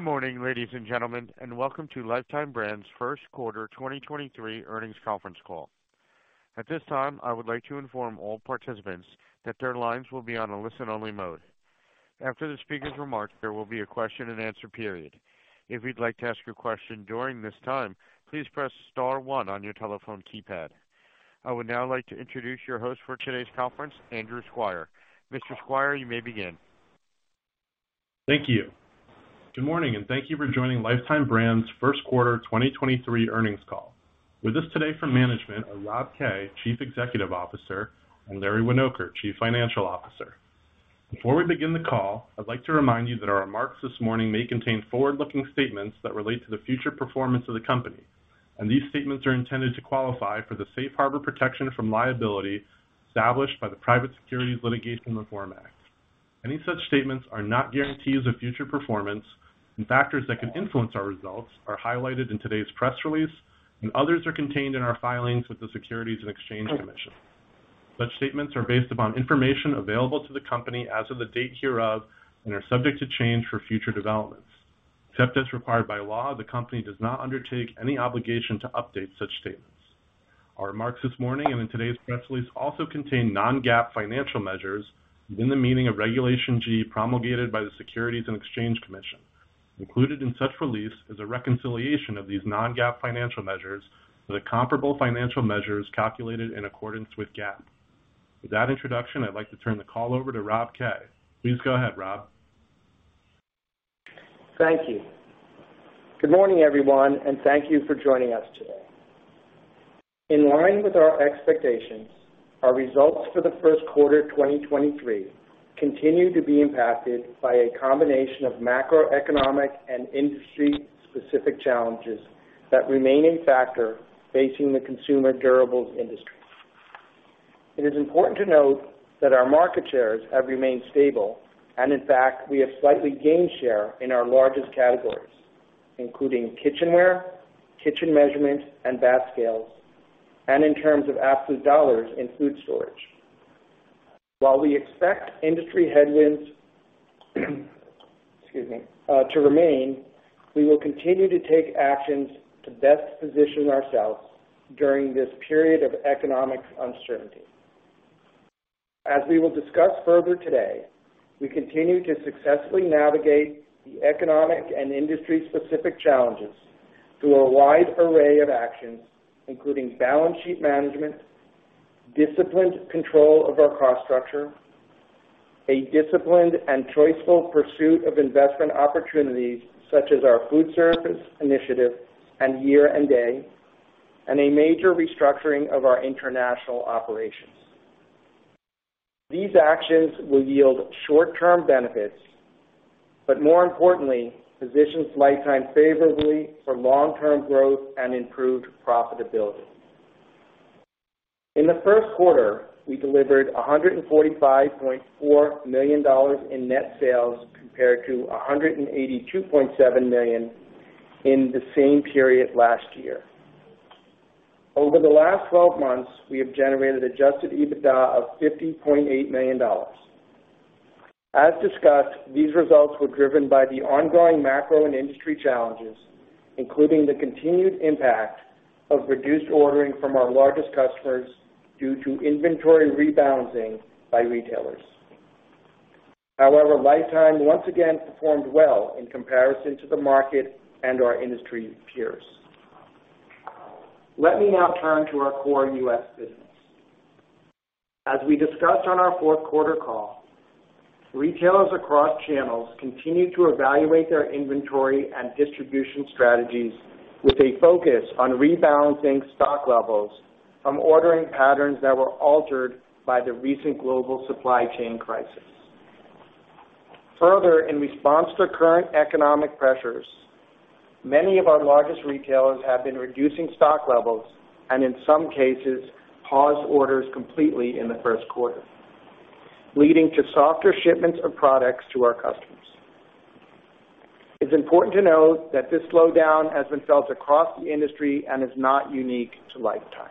Good morning, ladies and gentlemen. Welcome to Lifetime Brands' first quarter 2023 earnings conference call. At this time, I would like to inform all participants that their lines will be on a listen-only mode. After the speaker's remarks, there will be a question-and-answer period. If you'd like to ask your question during this time, please press star one on your telephone keypad. I would now like to introduce your host for today's conference, Andrew Squire. Mr. Squire, you may begin. Thank you. Good morning, and thank you for joining Lifetime Brands' 1st quarter 2023 earnings call. With us today from management are Rob Kay, Chief Executive Officer, and Larry Winoker, Chief Financial Officer. Before we begin the call, I'd like to remind you that our remarks this morning may contain forward-looking statements that relate to the future performance of the company, and these statements are intended to qualify for the safe harbor protection from liability established by the Private Securities Litigation Reform Act. Any such statements are not guarantees of future performance, and factors that could influence our results are highlighted in today's press release, and others are contained in our filings with the Securities and Exchange Commission. Such statements are based upon information available to the company as of the date hereof and are subject to change for future developments. Except as required by law, the company does not undertake any obligation to update such statements. Our remarks this morning and in today's press release also contain non-GAAP financial measures within the meaning of Regulation G promulgated by the Securities and Exchange Commission. Included in such release is a reconciliation of these non-GAAP financial measures to the comparable financial measures calculated in accordance with GAAP. With that introduction, I'd like to turn the call over to Rob Kay. Please go ahead, Rob. Thank you. Good morning, everyone, and thank you for joining us today. In line with our expectations, our results for the first quarter 2023 continued to be impacted by a combination of macroeconomic and industry-specific challenges that remain a factor facing the consumer durables industry. It is important to note that our market shares have remained stable, and in fact, we have slightly gained share in our largest categories, including kitchenware, kitchen measurement, and bath scales, and in terms of absolute dollars in food storage. While we expect industry headwinds, excuse me, to remain, we will continue to take actions to best position ourselves during this period of economic uncertainty. As we will discuss further today, we continue to successfully navigate the economic and industry-specific challenges through a wide array of actions, including balance sheet management, disciplined control of our cost structure, a disciplined and choiceful pursuit of investment opportunities such as our food service initiative and Year & Day, and a major restructuring of our international operations. These actions will yield short-term benefits, but more importantly, positions Lifetime favorably for long-term growth and improved profitability. In the first quarter, we delivered $145.4 million in net sales compared to $182.7 million in the same period last year. Over the last 12 months, we have generated adjusted EBITDA of $50.8 million. As discussed, these results were driven by the ongoing macro and industry challenges, including the continued impact of reduced ordering from our largest customers due to inventory rebalancing by retailers. Lifetime once again performed well in comparison to the market and our industry peers. Let me now turn to our core U.S. business. As we discussed on our fourth quarter call, retailers across channels continue to evaluate their inventory and distribution strategies with a focus on rebalancing stock levels from ordering patterns that were altered by the recent global supply chain crisis. In response to current economic pressures, many of our largest retailers have been reducing stock levels and, in some cases, paused orders completely in the first quarter, leading to softer shipments of products to our customers. It's important to note that this slowdown has been felt across the industry and is not unique to Lifetime.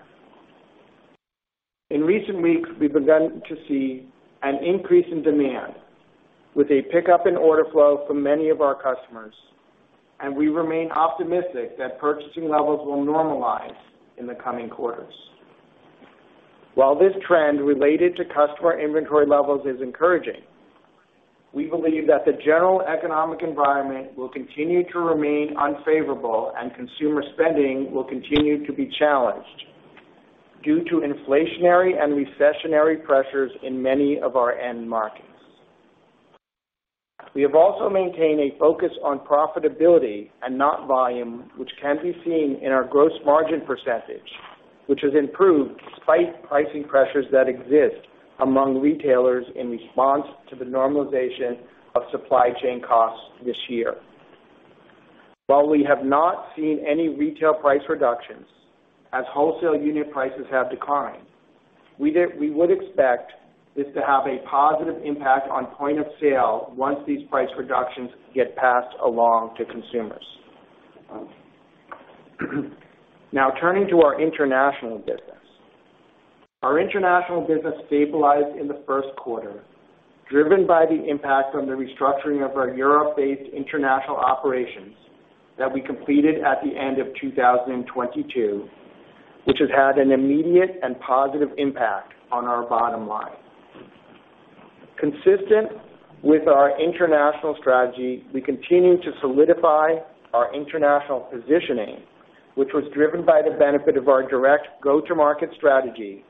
In recent weeks, we've begun to see an increase in demand with a pickup in order flow from many of our customers, and we remain optimistic that purchasing levels will normalize in the coming quarters. While this trend related to customer inventory levels is encouraging, we believe that the general economic environment will continue to remain unfavorable and consumer spending will continue to be challenged due to inflationary and recessionary pressures in many of our end markets. We have also maintained a focus on profitability and not volume, which can be seen in our gross margin percentage, which has improved despite pricing pressures that exist among retailers in response to the normalization of supply chain costs this year. While we have not seen any retail price reductions as wholesale unit prices have declined, we would expect this to have a positive impact on point of sale once these price reductions get passed along to consumers. Now turning to our international business. Our international business stabilized in the first quarter, driven by the impact from the restructuring of our Europe-based international operations that we completed at the end of 2022, which has had an immediate and positive impact on our bottom line. Consistent with our international strategy, we continue to solidify our international positioning, which was driven by the benefit of our direct go-to-market strategy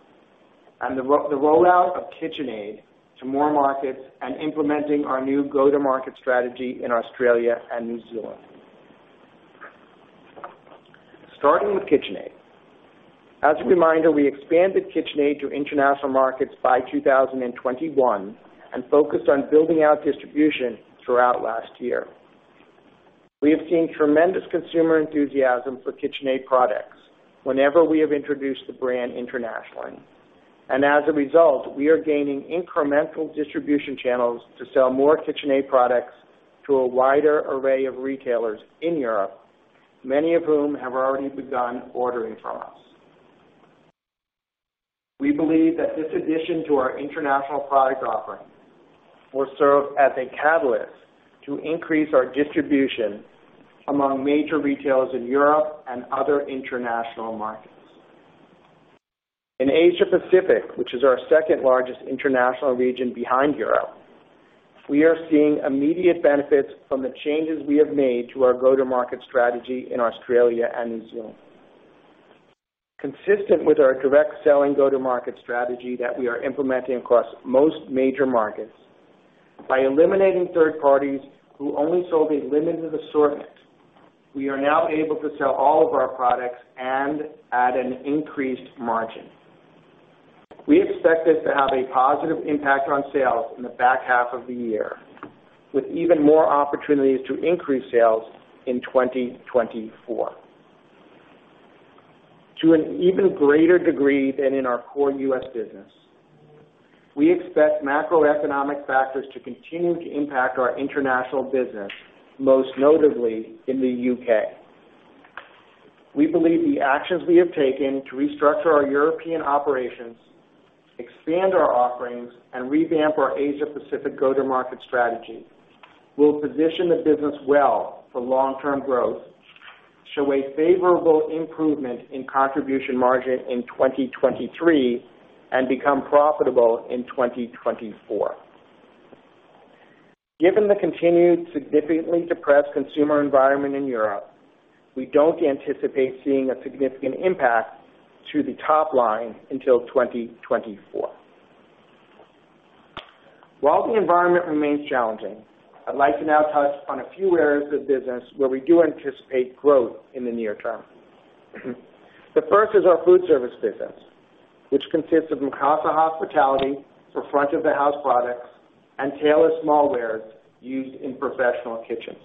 and the rollout of KitchenAid to more markets and implementing our new go-to-market strategy in Australia and New Zealand. Starting with KitchenAid. As a reminder, we expanded KitchenAid to international markets by 2021 and focused on building out distribution throughout last year. We have seen tremendous consumer enthusiasm for KitchenAid products whenever we have introduced the brand internationally. As a result, we are gaining incremental distribution channels to sell more KitchenAid products to a wider array of retailers in Europe, many of whom have already begun ordering from us. We believe that this addition to our international product offering will serve as a catalyst to increase our distribution among major retailers in Europe and other international markets. In Asia Pacific, which is our second-largest international region behind Europe, we are seeing immediate benefits from the changes we have made to our go-to-market strategy in Australia and New Zealand. Consistent with our direct selling go-to-market strategy that we are implementing across most major markets, by eliminating third parties who only sold a limited assortment, we are now able to sell all of our products and at an increased margin. We expect this to have a positive impact on sales in the back half of the year, with even more opportunities to increase sales in 2024. To an even greater degree than in our core U.S. business, we expect macroeconomic factors to continue to impact our international business, most notably in the U.K. We believe the actions we have taken to restructure our European operations, expand our offerings, and revamp our Asia Pacific go-to-market strategy will position the business well for long-term growth, show a favorable improvement in contribution margin in 2023, and become profitable in 2024. Given the continued significantly depressed consumer environment in Europe, we don't anticipate seeing a significant impact to the top line until 2024. While the environment remains challenging, I'd like to now touch on a few areas of the business where we do anticipate growth in the near term. The first is our food service business, which consists of Mikasa Hospitality for front of the house products and Taylor smallwares used in professional kitchens.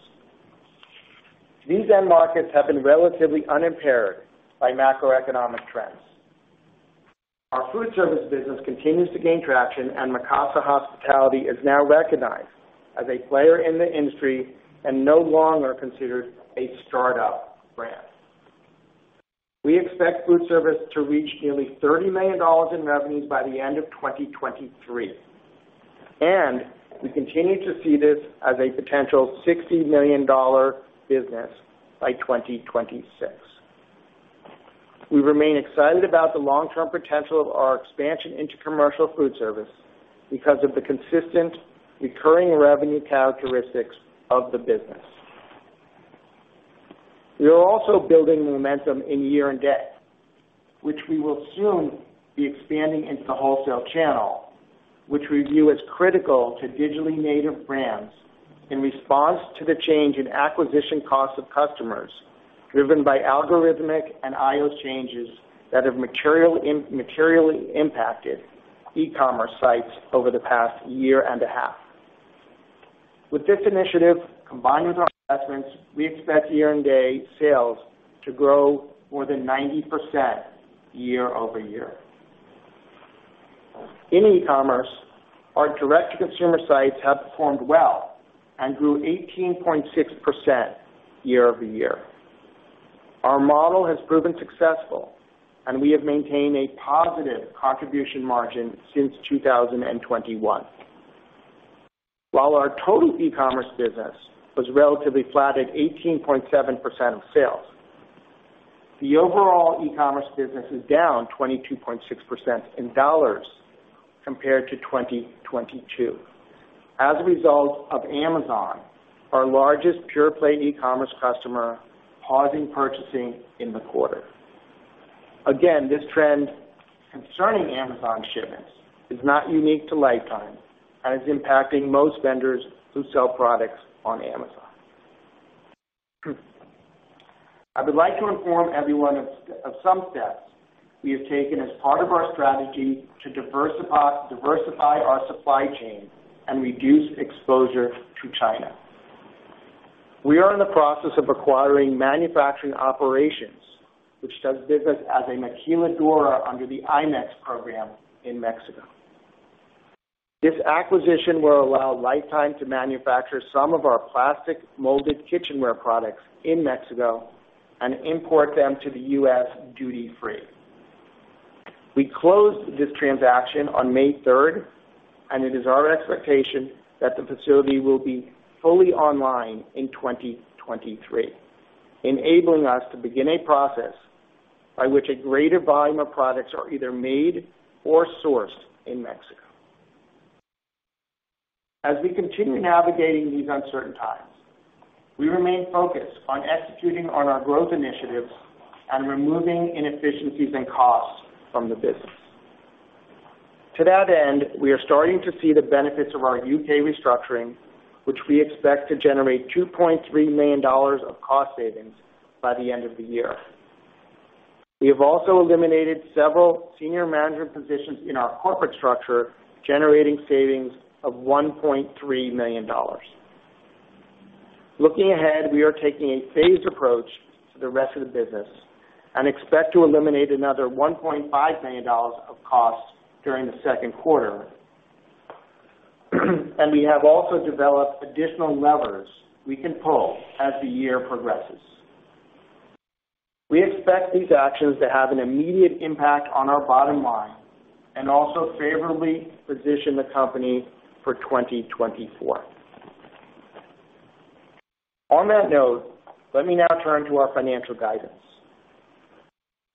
These end markets have been relatively unimpaired by macroeconomic trends. Our food service business continues to gain traction, and Mikasa Hospitality is now recognized as a player in the industry and no longer considered a startup brand. We expect food service to reach nearly $30 million in revenues by the end of 2023, and we continue to see this as a potential $60 million business by 2026. We remain excited about the long-term potential of our expansion into commercial food service because of the consistent recurring revenue characteristics of the business. We are also building momentum in Year & Day, which we will soon be expanding into the wholesale channel, which we view as critical to digitally native brands in response to the change in acquisition costs of customers, driven by algorithmic and iOS changes that have materially impacted e-commerce sites over the past year and a half. With this initiative, combined with our investments, we expect Year & Day sales to grow more than 90% year-over-year. In e-commerce, our direct-to-consumer sites have performed well and grew 18.6% year-over-year. Our model has proven successful, and we have maintained a positive contribution margin since 2021. While our total e-commerce business was relatively flat at 18.7% of sales, the overall e-commerce business is down 22.6% in dollars compared to 2022 as a result of Amazon, our largest pure-play e-commerce customer, pausing purchasing in the quarter. This trend concerning Amazon shipments is not unique to Lifetime and is impacting most vendors who sell products on Amazon. I would like to inform everyone of some steps we have taken as part of our strategy to diversify our supply chain and reduce exposure to China. We are in the process of acquiring manufacturing operations, which does business as a Maquiladora under the IMMEX program in Mexico. This acquisition will allow Lifetime to manufacture some of our plastic molded kitchenware products in Mexico and import them to the U.S. duty-free. We closed this transaction on May third, and it is our expectation that the facility will be fully online in 2023, enabling us to begin a process by which a greater volume of products are either made or sourced in Mexico. As we continue navigating these uncertain times, we remain focused on executing on our growth initiatives and removing inefficiencies and costs from the business. To that end, we are starting to see the benefits of our U.K. restructuring, which we expect to generate $2.3 million of cost savings by the end of the year. We have also eliminated several senior management positions in our corporate structure, generating savings of $1.3 million. Looking ahead, we are taking a phased approach to the rest of the business and expect to eliminate another $1.5 million of costs during the second quarter. We have also developed additional levers we can pull as the year progresses. We expect these actions to have an immediate impact on our bottom line and also favorably position the company for 2024. On that note, let me now turn to our financial guidance.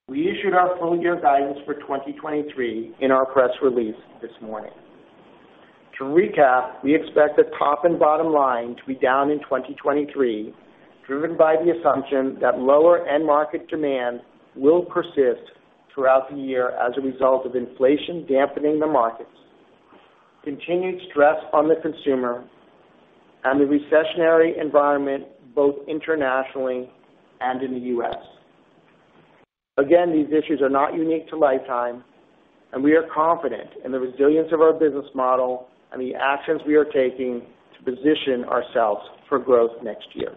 We issued our full year guidance for 2023 in our press release this morning. To recap, we expect the top and bottom line to be down in 2023, driven by the assumption that lower end market demand will persist throughout the year as a result of inflation dampening the markets, continued stress on the consumer, and the recessionary environment both internationally and in the U.S. These issues are not unique to Lifetime, and we are confident in the resilience of our business model and the actions we are taking to position ourselves for growth next year.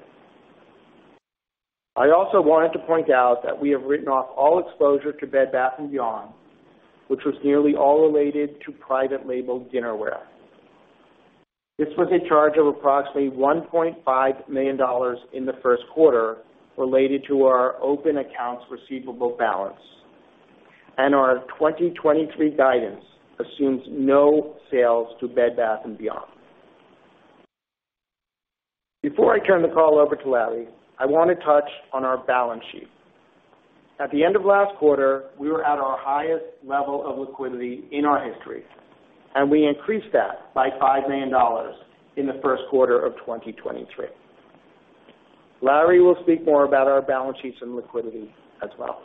I also wanted to point out that we have written off all exposure to Bed Bath & Beyond, which was nearly all related to private labeled dinnerware. This was a charge of approximately $1.5 million in the first quarter related to our open accounts receivable balance. Our 2023 guidance assumes no sales to Bed Bath & Beyond. Before I turn the call over to Larry, I wanna touch on our balance sheet. At the end of last quarter, we were at our highest level of liquidity in our history, and we increased that by $5 million in the first quarter of 2023. Larry will speak more about our balance sheets and liquidity as well.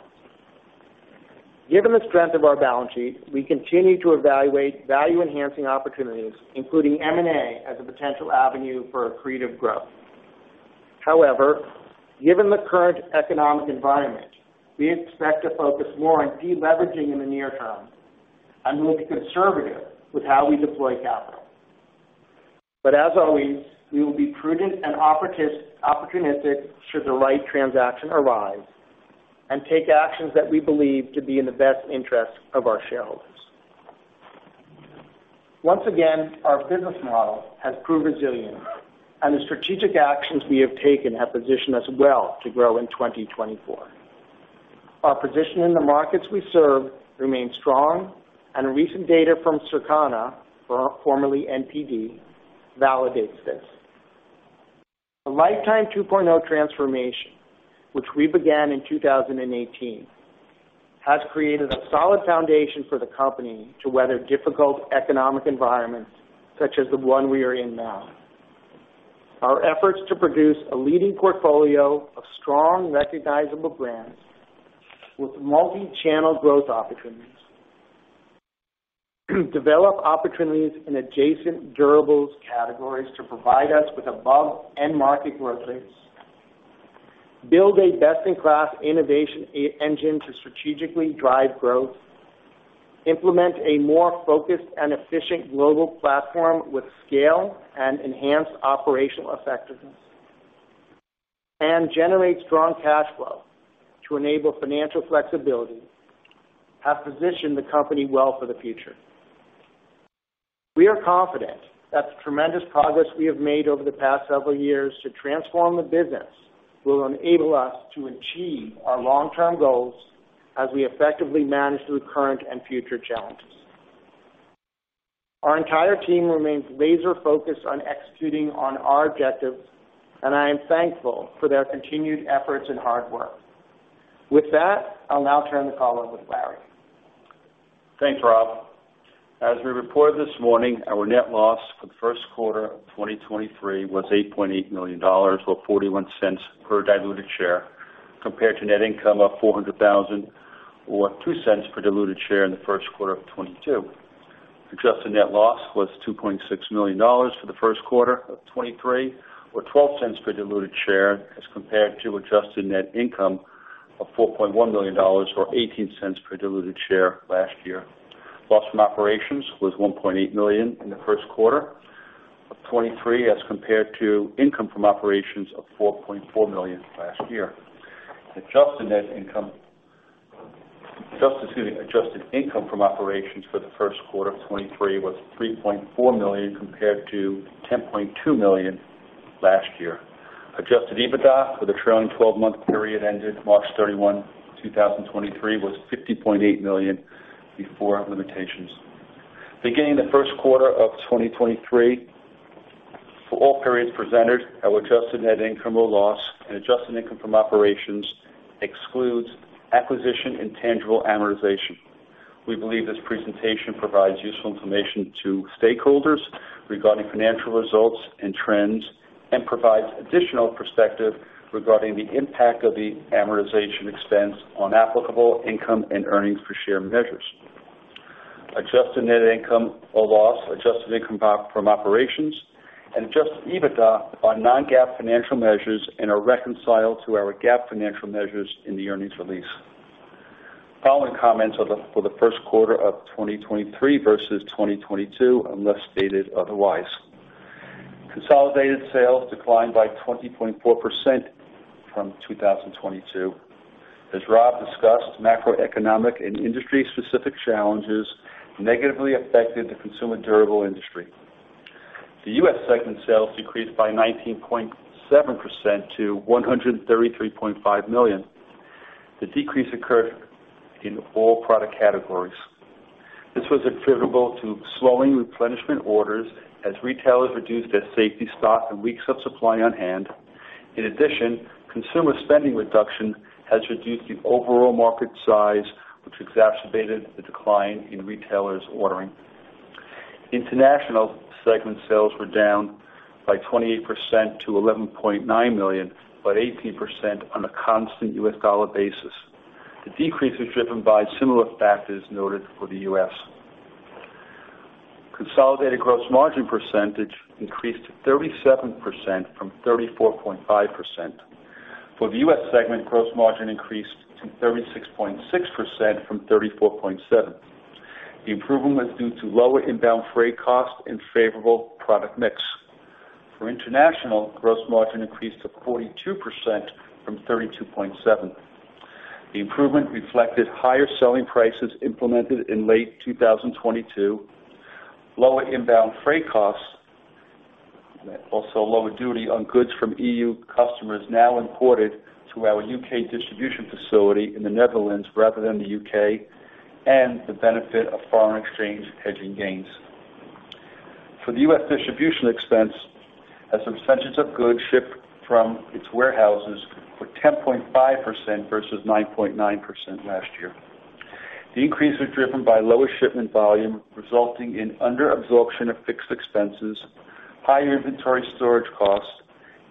Given the strength of our balance sheet, we continue to evaluate value-enhancing opportunities, including M&A as a potential avenue for accretive growth. Given the current economic environment, we expect to focus more on deleveraging in the near term and will be conservative with how we deploy capital. As always, we will be prudent and opportunistic should the right transaction arise and take actions that we believe to be in the best interest of our shareholders. Our business model has proved resilient, and the strategic actions we have taken have positioned us well to grow in 2024. Our position in the markets we serve remains strong, and recent data from Circana, formerly NPD, validates this. The Lifetime 2.0 transformation, which we began in 2018, has created a solid foundation for the company to weather difficult economic environments such as the one we are in now. Our efforts to produce a leading portfolio of strong, recognizable brands with multi-channel growth opportunities, develop opportunities in adjacent durables categories to provide us with above end market growth rates, build a best-in-class innovation e-engine to strategically drive growth, implement a more focused and efficient global platform with scale and enhanced operational effectiveness, and generate strong cash flow to enable financial flexibility, have positioned the company well for the future. We are confident that the tremendous progress we have made over the past several years to transform the business will enable us to achieve our long-term goals as we effectively manage through current and future challenges. Our entire team remains laser-focused on executing on our objectives, and I am thankful for their continued efforts and hard work. With that, I'll now turn the call over to Larry. Thanks, Rob. As we reported this morning, our net loss for the first quarter of 2023 was $8.8 million, or $0.41 per diluted share, compared to net income of $400,000, or $0.02 per diluted share in the first quarter of 2022. adjusted net loss was $2.6 million for the first quarter of 2023, or $0.12 per diluted share, as compared to adjusted net income of $4.1 million, or $0.18 per diluted share last year. Loss from operations was $1.8 million in the first quarter of 2023, as compared to income from operations of $4.4 million last year. adjusted income from operations for the first quarter of 2023 was $3.4 million compared to $10.2 million last year. Adjusted EBITDA for the trailing 12-month period ended March 31, 2023, was $50.8 million before limitations. Beginning the first quarter of 2023, for all periods presented, our adjusted net income or loss and adjusted income from operations excludes acquisition and intangible amortization. We believe this presentation provides useful information to stakeholders regarding financial results and trends, and provides additional perspective regarding the impact of the amortization expense on applicable income and earnings per share measures. Adjusted net income or loss, adjusted income from operations, and adjusted EBITDA are non-GAAP financial measures and are reconciled to our GAAP financial measures in the earnings release. Following comments are for the first quarter of 2023 versus 2022, unless stated otherwise. Consolidated sales declined by 20.4% from 2022. As Rob discussed, macroeconomic and industry-specific challenges negatively affected the consumer durable industry. The U.S. segment sales decreased by 19.7% to $133.5 million. The decrease occurred in all product categories. This was attributable to slowing replenishment orders as retailers reduced their safety stock and weeks of supply on hand. In addition, consumer spending reduction has reduced the overall market size, which exacerbated the decline in retailers' ordering. International segment sales were down by 28% to $11.9 million, but 18% on a constant U.S. dollar basis. The decrease was driven by similar factors noted for the U.S. Consolidated gross margin percentage increased to 37% from 34.5%. For the U.S. segment, gross margin increased to 36.6% from 34.7%. The improvement was due to lower inbound freight costs and favorable product mix. For international, gross margin increased to 42% from 32.7%. The improvement reflected higher selling prices implemented in late 2022, lower inbound freight costs, also lower duty on goods from EU customers now imported through our U.K. distribution facility in the Netherlands rather than the U.K., and the benefit of foreign exchange hedging gains. For the U.S. distribution expense, as a percentage of goods shipped from its warehouses were 10.5% versus 9.9% last year. The increase was driven by lower shipment volume, resulting in under absorption of fixed expenses, higher inventory storage costs,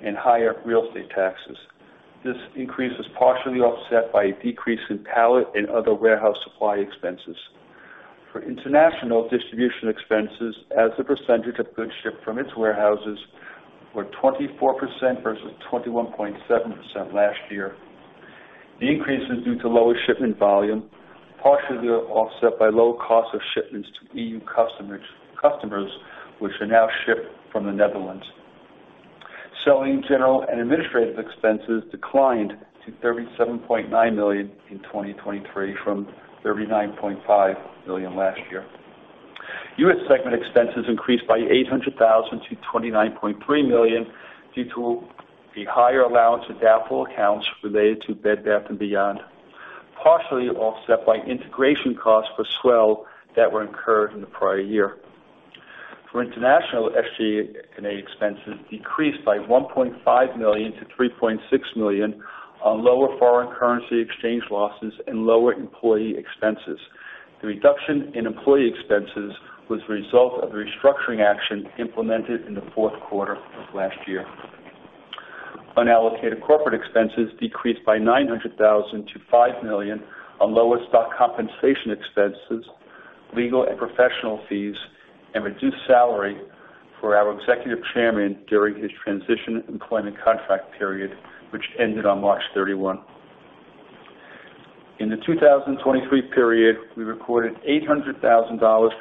and higher real estate taxes. This increase was partially offset by a decrease in pallet and other warehouse supply expenses. For international distribution expenses as a percentage of goods shipped from its warehouses were 24% versus 21.7% last year. The increase is due to lower shipment volume, partially offset by lower cost of shipments to EU customers, which are now shipped from the Netherlands. Selling, general, and administrative expenses declined to $37.9 million in 2023 from $39.5 million last year. U.S. segment expenses increased by $800,000 to $29.3 million due to the higher allowance of doubtful accounts related to Bed Bath & Beyond, partially offset by integration costs for S'well that were incurred in the prior year. International SG&A expenses decreased by $1.5 million to $3.6 million on lower foreign currency exchange losses and lower employee expenses. The reduction in employee expenses was a result of the restructuring action implemented in the fourth quarter of last year. Unallocated corporate expenses decreased by $900,000 to $5 million on lower stock compensation expenses, legal and professional fees, and reduced salary for our executive chairman during his transition employment contract period, which ended on March 31. In the 2023 period, we recorded $800,000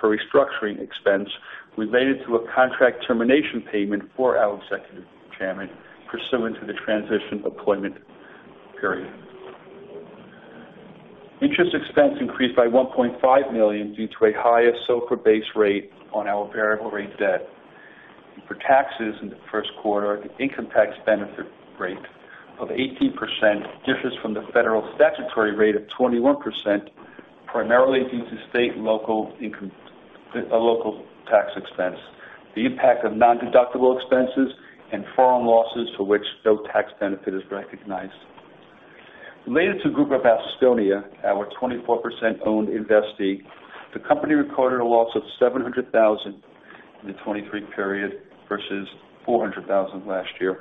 for restructuring expense related to a contract termination payment for our executive chairman pursuant to the transition employment period. Interest expense increased by $1.5 million due to a higher SOFR-based rate on our variable rate debt. For taxes in the first quarter, the income tax benefit rate of 18% differs from the federal statutory rate of 21%, primarily due to state and local income, local tax expense, the impact of nondeductible expenses and foreign losses for which no tax benefit is recognized. Related to Grupo Vasconia, our 24% owned investee, the company recorded a loss of $700,000 in the 2023 period versus $400,000 last year.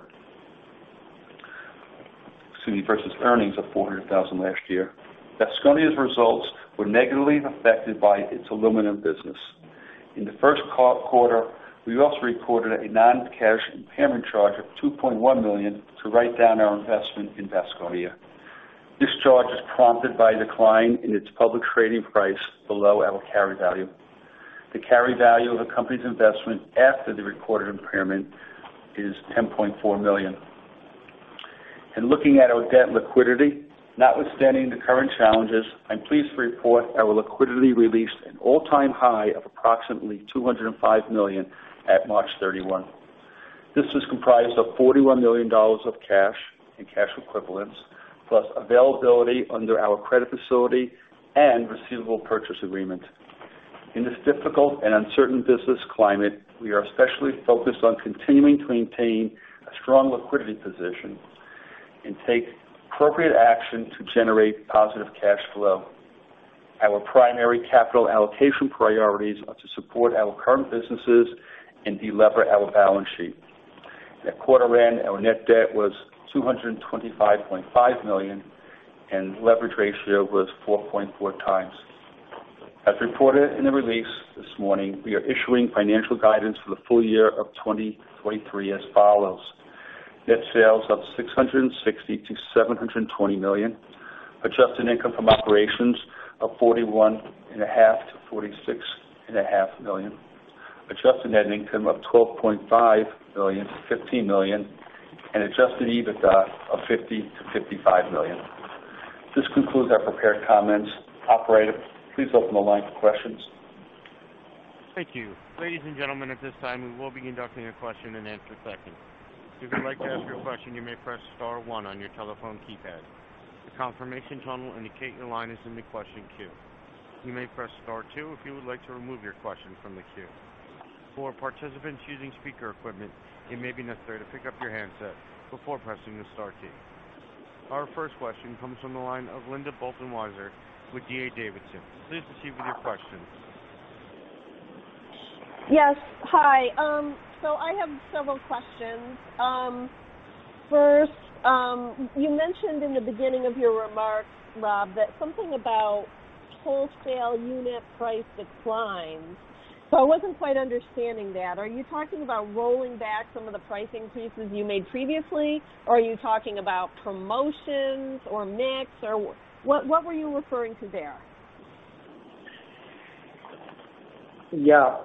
Excuse me, versus earnings of $400,000 last year. Vasconia's results were negatively affected by its aluminum business. In the first cal-quarter, we also recorded a non-cash impairment charge of $2.1 million to write down our investment in Vasconia. This charge is prompted by a decline in its public trading price below our carry value. The carry value of the company's investment after the recorded impairment is $10.4 million. Looking at our debt liquidity, notwithstanding the current challenges, I'm pleased to report our liquidity released an all-time high of approximately $205 million at March 31. This was comprised of $41 million of cash and cash equivalents, plus availability under our credit facility and receivable purchase agreement. In this difficult and uncertain business climate, we are especially focused on continuing to maintain a strong liquidity position and take appropriate action to generate positive cash flow. Our primary capital allocation priorities are to support our current businesses and delever our balance sheet. At quarter end, our net debt was $225.5 million, and leverage ratio was 4.4x. As reported in the release this morning, we are issuing financial guidance for the full year of 2023 as follows: Net sales of $660 million-$720 million, adjusted income from operations of $41.5 million-$46.5 million, adjusted net income of $12.5 million-$15 million, and adjusted EBITDA of $50 million-$55 million. This concludes our prepared comments. Operator, please open the line for questions. Thank you. Ladies and gentlemen, at this time, we will be conducting a question and answer session. If you'd like to ask your question, you may press star one on your telephone keypad. The confirmation tone will indicate your line is in the question queue. You may press star two if you would like to remove your question from the queue. For participants using speaker equipment, it may be necessary to pick up your handset before pressing the star key. Our first question comes from the line of Linda Bolton Weiser with D.A. Davidson. Please proceed with your question. Yes. Hi. I have several questions. First, you mentioned in the beginning of your remarks, Rob, that something about wholesale unit price declines. I wasn't quite understanding that. Are you talking about rolling back some of the pricing increases you made previously? Or are you talking about promotions or mix, or what were you referring to there? Yeah.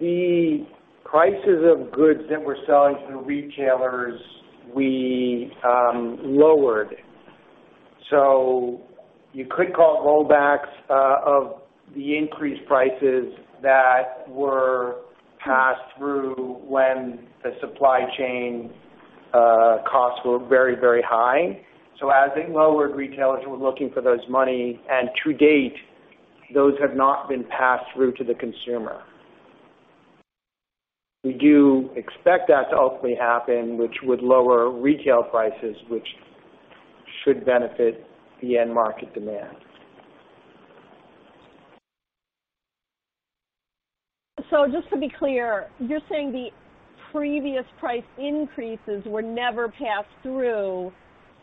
The prices of goods that we're selling to the retailers, we lowered. You could call it rollbacks of the increased prices that were passed through when the supply chain costs were very, very high. As it lowered, retailers were looking for those money, and to date, those have not been passed through to the consumer. We do expect that to ultimately happen, which would lower retail prices, which should benefit the end market demand. Just to be clear, you're saying the previous price increases were never passed through,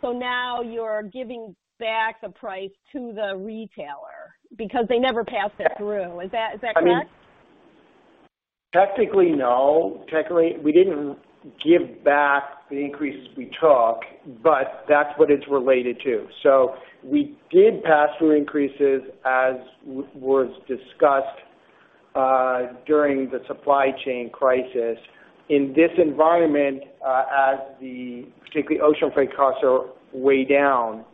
so now you're giving back the price to the retailer because they never passed it through. Is that correct? I mean, technically, no. Technically, we didn't give back the increases we took, but that's what it's related to. We did pass through increases, as was discussed during the supply chain crisis. In this environment, as the, particularly ocean freight costs are way down,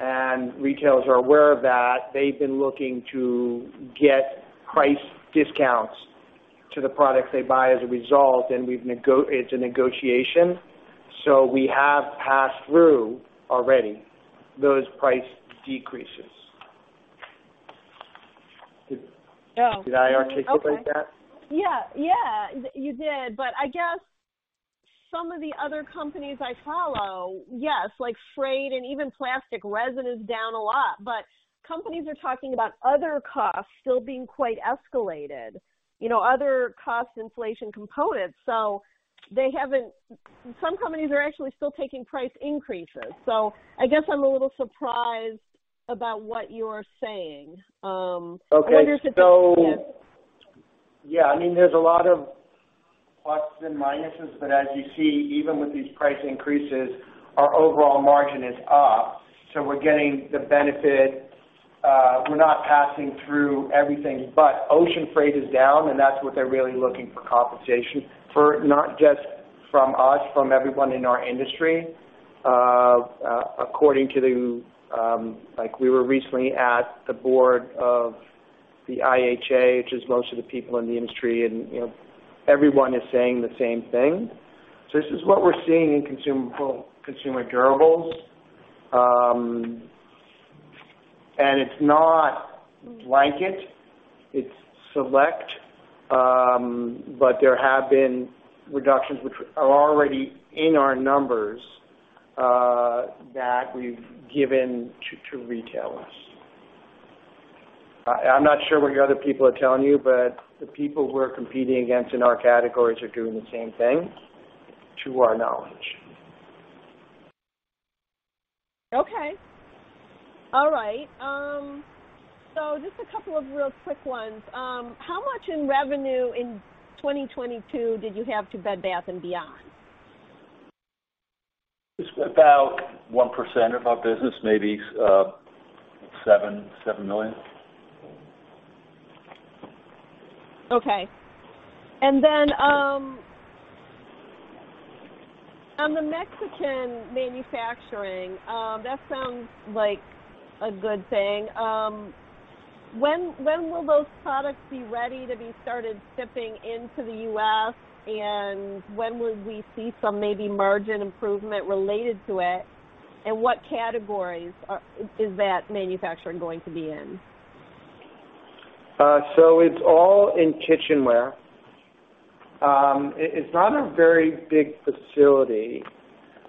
and retailers are aware of that, they've been looking to get price discounts to the products they buy as a result, and it's a negotiation. We have passed through already those price decreases. Oh. Did I articulate that? Okay. Yeah. Yeah, you did. I guess some of the other companies I follow, yes, like freight and even plastic resin is down a lot. Companies are talking about other costs still being quite escalated, you know, other cost inflation components. Some companies are actually still taking price increases. I guess I'm a little surprised about what you're saying. Yeah, I mean, there's a lot of pluses and minuses, but as you see, even with these price increases, our overall margin is up, so we're getting the benefit. We're not passing through everything, but ocean freight is down, and that's what they're really looking for compensation for, not just from us, from everyone in our industry. According to the, like, we were recently at the board of the IHA, which is most of the people in the industry and, you know, everyone is saying the same thing. This is what we're seeing in consumer durables. And it's not blanket, it's select, but there have been reductions which are already in our numbers, that we've given to retailers. I'm not sure what your other people are telling you, but the people we're competing against in our categories are doing the same thing, to our knowledge. Okay. All right. Just a couple of real quick ones. How much in revenue in 2022 did you have to Bed Bath & Beyond? It's about 1% of our business, maybe, $7 million. Okay. Then, on the Mexican manufacturing, that sounds like a good thing. When will those products be ready to be started shipping into the U.S.? When would we see some maybe margin improvement related to it? What categories is that manufacturing going to be in? It's all in kitchenware. It's not a very big facility.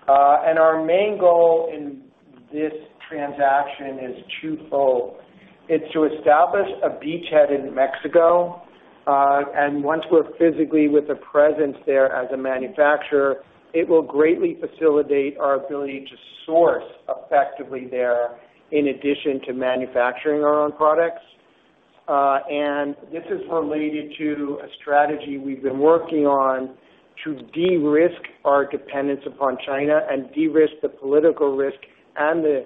Our main goal in this transaction is twofold. It's to establish a beachhead in Mexico. Once we're physically with a presence there as a manufacturer, it will greatly facilitate our ability to source effectively there in addition to manufacturing our own products. This is related to a strategy we've been working on to de-risk our dependence upon China and de-risk the political risk and the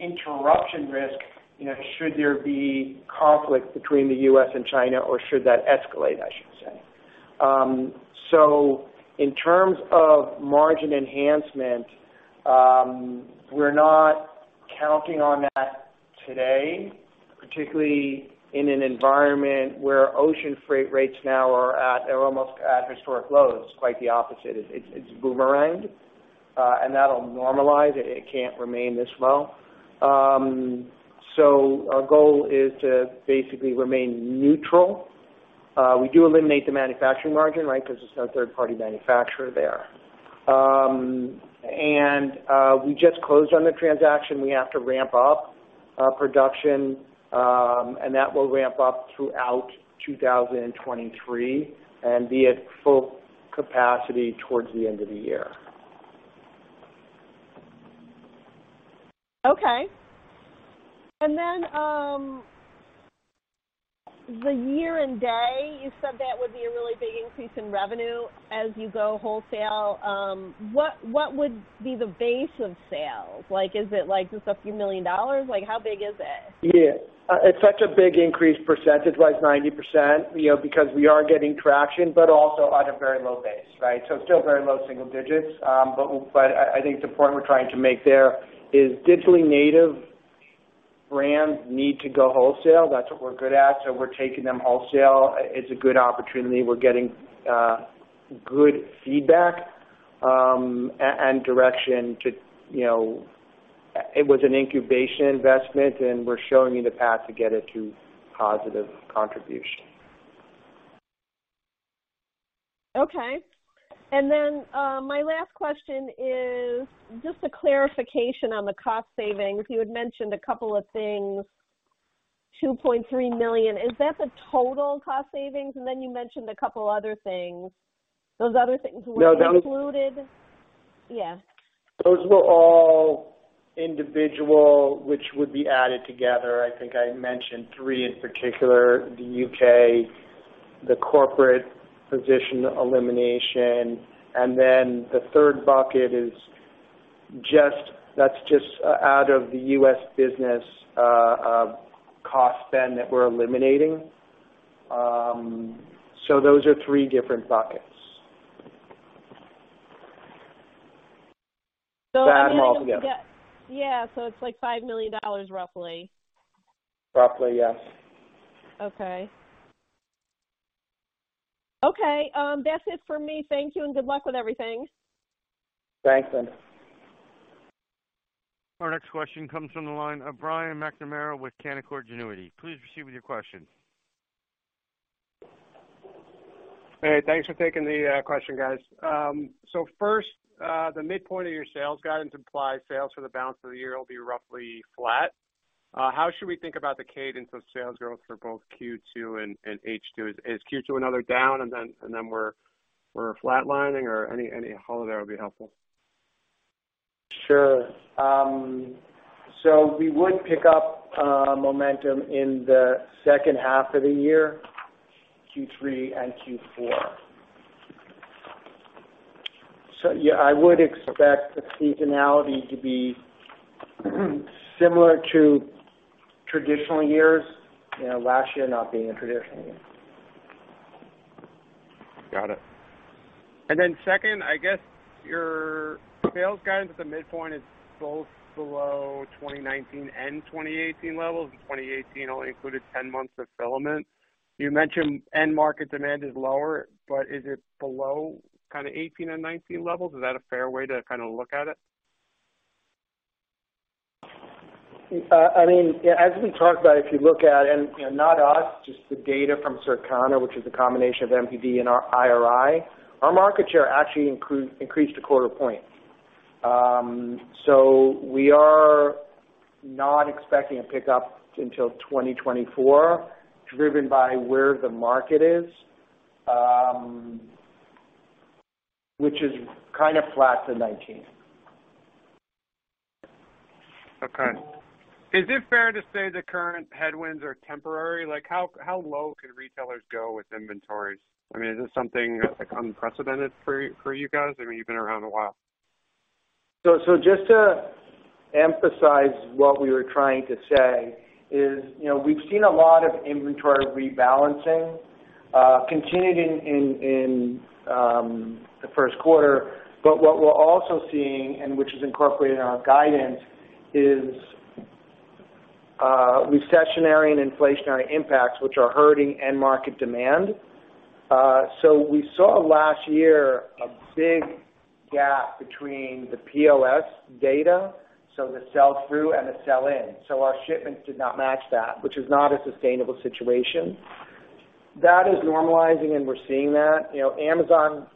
interruption risk, you know, should there be conflict between the U.S. and China or should that escalate, I should say. In terms of margin enhancement, we're not counting on that today, particularly in an environment where ocean freight rates now are at... they're almost at historic lows, quite the opposite. It's boomeranged. That'll normalize. It, it can't remain this low. Our goal is to basically remain neutral. We do eliminate the manufacturing margin, right? 'Cause it's now third-party manufacturer there. We just closed on the transaction. We have to ramp up our production, and that will ramp up throughout 2023 and be at full capacity towards the end of the year. Okay. The Year & Day, you said that would be a really big increase in revenue as you go wholesale. What would be the base of sales? Like, is it, like, just a few million dollars? Like, how big is it? Yeah. It's such a big increase percentage-wise, 90%, you know, because we are getting traction, but also on a very low base, right? Still very low single digits. But I think the point we're trying to make there is digitally native brands need to go wholesale. That's what we're good at, so we're taking them wholesale. It's a good opportunity. We're getting good feedback and direction to, you know. It was an incubation investment, and we're showing you the path to get it to positive contribution. Okay. My last question is just a clarification on the cost savings. You had mentioned a couple of things, $2.3 million. Is that the total cost savings? You mentioned a couple other things. Those other things were included? No, that was. Yeah. Those were all individual, which would be added together. I think I mentioned three in particular, the U.K., the corporate position elimination, the third bucket is just out of the US business cost spend that we're eliminating. Those are three different buckets. So and then- To add them all together. Yeah. It's like $5 million roughly. Roughly, yes. Okay. Okay, that's it for me. Thank you, and good luck with everything. Thanks, Linda. Our next question comes from the line of Brian McNamara with Canaccord Genuity. Please proceed with your question. Hey, thanks for taking the question, guys. First, the midpoint of your sales guidance implies sales for the balance of the year will be roughly flat. How should we think about the cadence of sales growth for both Q2 and H2? Is Q2 another down, and then we're flatlining? Any color there would be helpful. Sure. We would pick up momentum in the second half of the year, Q3 and Q4. Yeah, I would expect the seasonality to be similar to traditional years. You know, last year not being a traditional year. Got it. Then second, I guess your sales guidance at the midpoint is both below 2019 and 2018 levels, and 2018 only included 10 months of Filament. You mentioned end market demand is lower, is it below kinda 18 and 19 levels? Is that a fair way to kinda look at it? I mean, as we talked about, if you look at it and, you know, not us, just the data from Circana, which is a combination of NPD and IRI, our market share actually increased a quarter point. We are not expecting a pickup until 2024, driven by where the market is, which is kind of flat to 2019. Okay. Is it fair to say the current headwinds are temporary? Like, how low can retailers go with inventories? I mean, is this something, like, unprecedented for you guys? I mean, you've been around a while. Just to emphasize what we were trying to say is, you know, we've seen a lot of inventory rebalancing, continuing in the first quarter. What we're also seeing, and which is incorporated in our guidance, is recessionary and inflationary impacts, which are hurting end market demand. We saw last year a big gap between the POS data, so the sell-through and the sell-in. Our shipments did not match that, which is not a sustainable situation. That is normalizing, and we're seeing that. You know, Amazon,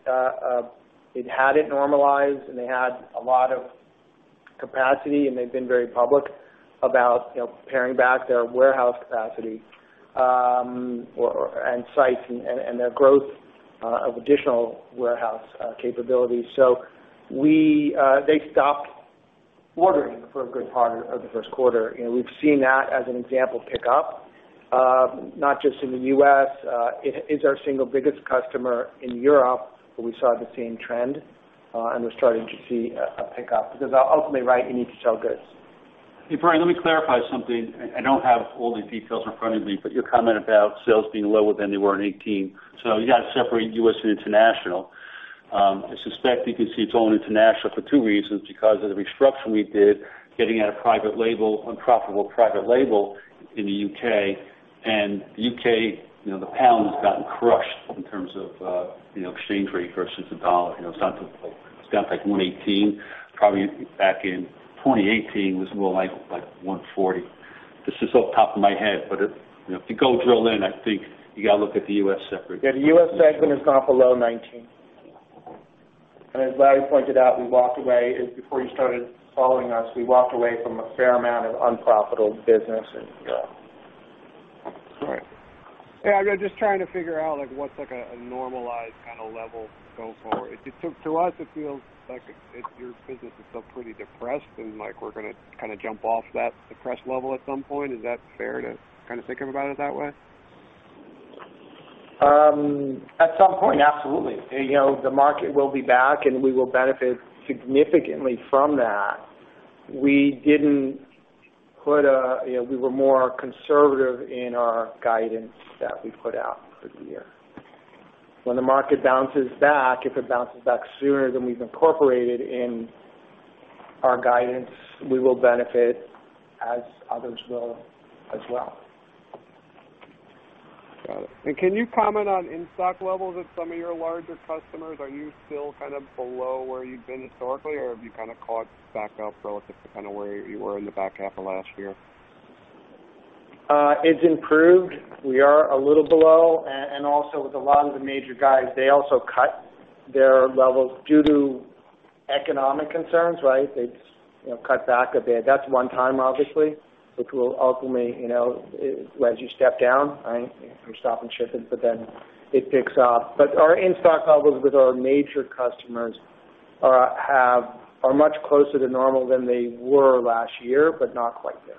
it had it normalized, and they had a lot of capacity, and they've been very public about, you know, paring back their warehouse capacity, or, and sites and, their growth of additional warehouse capabilities. We, they stopped ordering for a good part of the first quarter. You know, we've seen that as an example pick up, not just in the U.S. It is our single biggest customer in Europe. We saw the same trend. We're starting to see a pick-up. Ultimately, right, you need to sell goods. Hey, Brian, let me clarify something. I don't have all the details in front of me, but your comment about sales being lower than they were in 2018. You gotta separate U.S. and international. I suspect you can see it's all in international for two reasons, because of the restructuring we did, getting out of private label, unprofitable private label in the U.K., and the U.K., you know, the pound has gotten crushed in terms of, you know, exchange rate versus the dollar. You know, it's down to like 1.18, probably back in 2018 was more like 1.40. This is off the top of my head. If, you know, if you go drill in, I think you gotta look at the U.S. separate. Yeah, the U.S. segment is not below 19. As Larry pointed out, we walked away, before you started following us, we walked away from a fair amount of unprofitable business in the U.K. All right. Yeah, I'm just trying to figure out, like, what's like a normalized kinda level going forward. To us, it feels like it's, your business is still pretty depressed and, like, we're gonna kinda jump off that depressed level at some point. Is that fair to kinda think about it that way? At some point, absolutely. You know, the market will be back, we will benefit significantly from that. You know, we were more conservative in our guidance that we put out for the year. When the market bounces back, if it bounces back sooner than we've incorporated in our guidance, we will benefit as others will as well. Got it. Can you comment on in-stock levels at some of your larger customers? Are you still kind of below where you've been historically, or have you kind of caught back up relative to kind of where you were in the back half of last year? It's improved. We are a little below. Also with a lot of the major guys, they also cut their levels due to economic concerns, right? They, you know, cut back a bit. That's one time, obviously, which will ultimately, you know, as you step down, right, you're stopping shipping, but then it picks up. Our in-stock levels with our major customers, have are much closer to normal than they were last year, but not quite there.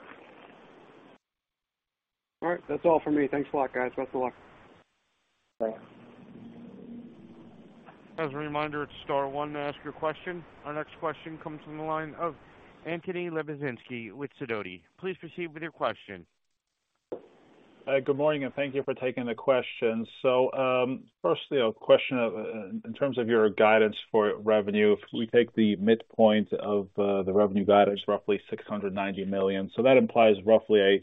All right. That's all for me. Thanks a lot, guys. Best of luck. Thanks. As a reminder, it's star one to ask your question. Our next question comes from the line of Anthony Lebiedzinski with Sidoti. Please proceed with your question. Good morning, and thank you for taking the questions. Firstly, a question of, in terms of your guidance for revenue. If we take the midpoint of the revenue guidance, roughly $690 million. That implies roughly a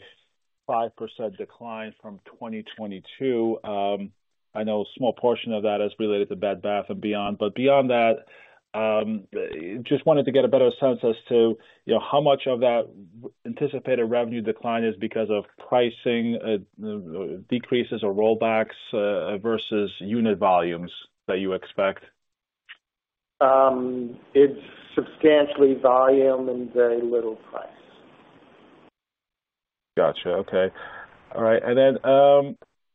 5% decline from 2022. I know a small portion of that is related to Bed Bath & Beyond. Beyond that, just wanted to get a better sense as to, you know, how much of that anticipated revenue decline is because of pricing decreases or rollbacks versus unit volumes that you expect. It's substantially volume and very little price. Gotcha. Okay. All right.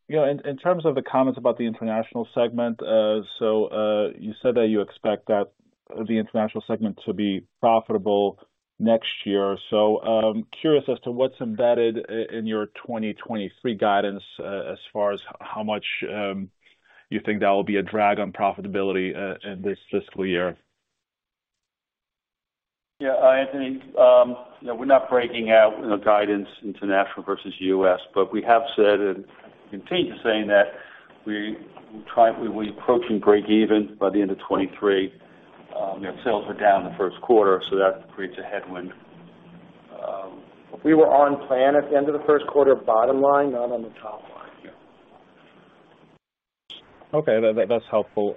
You know, in terms of the comments about the international segment, you said that you expect that the international segment to be profitable next year. Curious as to what's embedded in your 2023 guidance, as far as how much you think that will be a drag on profitability in this fiscal year. Yeah. Anthony, you know, we're not breaking out, you know, guidance international versus U.S., we have said, and continue saying that we're approaching break even by the end of 2023. You know, sales are down in the first quarter, that creates a headwind. We were on plan at the end of the first quarter bottom line, not on the top line. Yeah. Okay. That's helpful.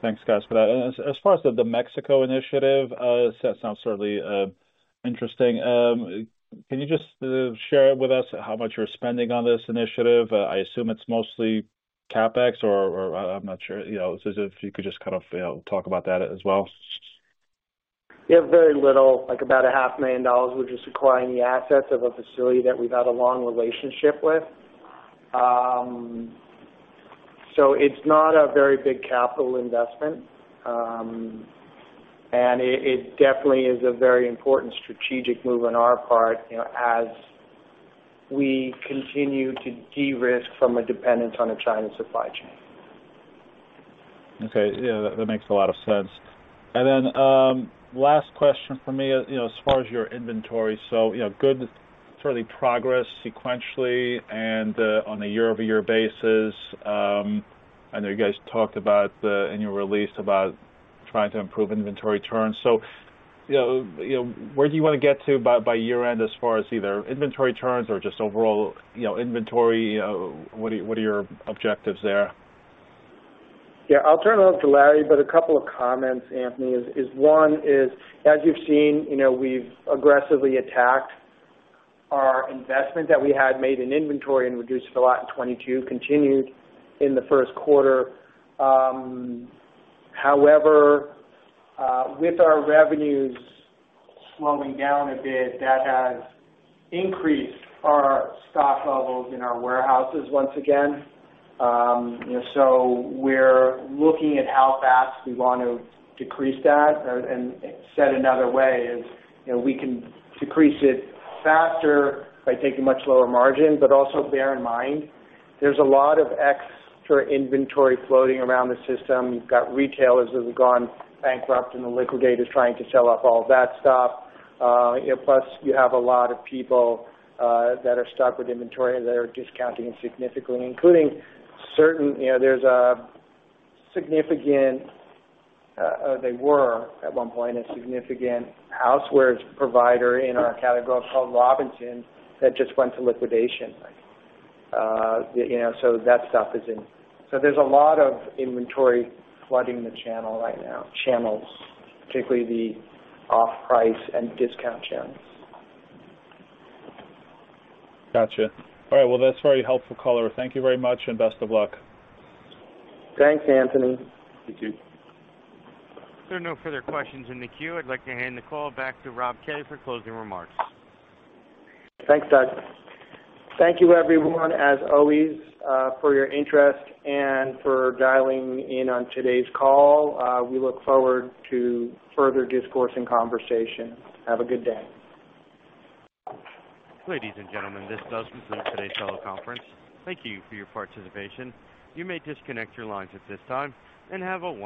Thanks, guys, for that. As far as the Mexico initiative, that sounds certainly interesting. Can you just share with us how much you're spending on this initiative? I assume it's mostly CapEx or I'm not sure. You know, if you could just kind of, you know, talk about that as well. Yeah. Very little, like about a half million dollars. We're just acquiring the assets of a facility that we've had a long relationship with. It's not a very big capital investment. It, it definitely is a very important strategic move on our part, you know, as we continue to de-risk from a dependence on a China supply chain. Okay. Yeah, that makes a lot of sense. Last question for me, you know, as far as your inventory, so, you know, good sort of progress sequentially on a year-over-year basis. I know you guys talked about the annual release about trying to improve inventory turns. You know, where do you wanna get to by year-end as far as either inventory turns or just overall, you know, inventory? What are your objectives there? Yeah, I'll turn it over to Larry. A couple of comments, Anthony, is one is, as you've seen, you know, we've aggressively attacked our investment that we had made in inventory and reduced it a lot in 2022, continued in the first quarter. However, with our revenues slowing down a bit, that has increased our stock levels in our warehouses once again. We're looking at how fast we want to decrease that. Said another way is, you know, we can decrease it faster by taking much lower margin. Also bear in mind, there's a lot of extra inventory floating around the system. You've got retailers that have gone bankrupt and the liquidators trying to sell off all that stuff. You know, plus you have a lot of people that are stuck with inventory that are discounting significantly, including certain... You know, there's a significant, they were at one point, a significant housewares provider in our category called Robinson that just went to liquidation. You know, so that stuff is in. There's a lot of inventory flooding the channel right now, channels, particularly the off-price and discount channels. Gotcha. All right. Well, that's very helpful color. Thank you very much, and best of luck. Thanks, Anthony. Thank you. If there are no further questions in the queue, I'd like to hand the call back to Rob Kay for closing remarks. Thanks, Doug. Thank you everyone, as always, for your interest and for dialing in on today's call. We look forward to further discourse and conversation. Have a good day. Ladies and gentlemen, this does conclude today's teleconference. Thank you for your participation. You may disconnect your lines at this time, and have a wonderful day.